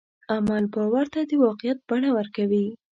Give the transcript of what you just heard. عمل باور ته د واقعیت بڼه ورکوي.